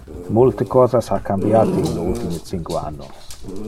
Multe cosas ha cambiate in le ultime cinque annos.